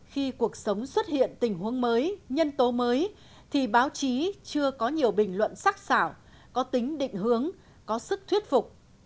khi cuộc sống xuất hiện tình huống mới nhân tố mới thì báo chí chưa có nhiều bình luận sắc xảo có tính định hướng có sức thuyết phục